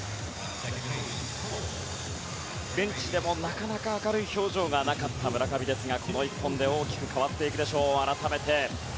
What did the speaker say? ベンチでもなかなか明るい表情がなかった村上ですがこの一本で大きく変わるでしょう。